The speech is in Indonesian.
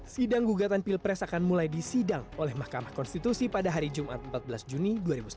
sidang gugatan pilpres akan mulai disidang oleh mahkamah konstitusi pada hari jumat empat belas juni dua ribu sembilan belas